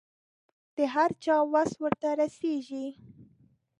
د هر چا وس ورته رسېږي.